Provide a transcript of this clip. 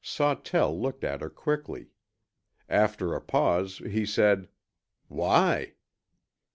Sawtell looked at her quickly. After a pause, he said, "Why?"